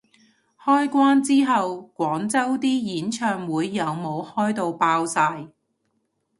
開關之後廣州啲演唱會有冇開到爆晒